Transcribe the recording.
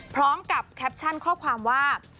พร้อมกับแคปชั่นข้อความว่า